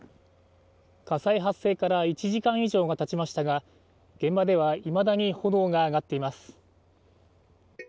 火災発生から１時間以上が経ちましたが現場ではいまだに炎が上がっています。